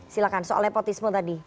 silahkan soal nepotisme tadi